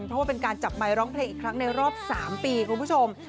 เพราะว่าเป็นการจับไมค์ร้องเพลงอีกครั้งในรอบ๓ปีคุณผู้ชม